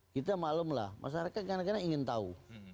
kita malam lah masyarakat kadang kadang ingin tahu